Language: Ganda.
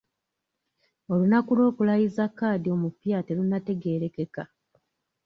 Olunaku olw'okulayiza Kadhi omupya terunnategeerekeka.